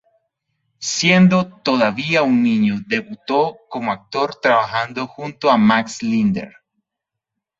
Siendo todavía un niño debutó como actor trabajando junto a Max Linder.